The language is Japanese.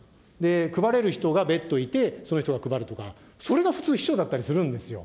配れる人が別途いて、その人が配るとか、それが普通、秘書だったりするんですよ。